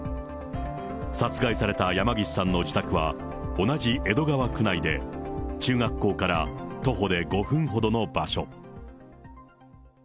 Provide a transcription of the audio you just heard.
殺害された山岸さんの自宅は同じ江戸川区内で、中学校から徒歩で５分ほどの場所。